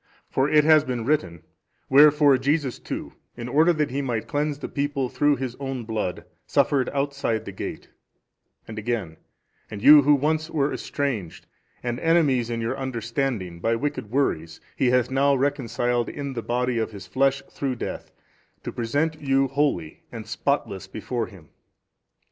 For it has been written, Wherefore Jesus too, in order that He might cleanse the people through His own blood suffered outside the gate, and again, And you who once were estranged and enemies in your understanding by wicked wories, He hath now reconciled in the body of His flesh through death, to present you holy and spotless before Him.